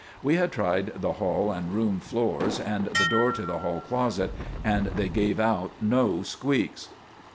We had tried the hall and room floors and the door to the hall closet and they gave out no squeaks.